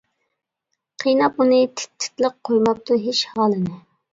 قىيناپ ئۇنى تىت-تىتلىق، قويماپتۇ ھېچ ھالىنى.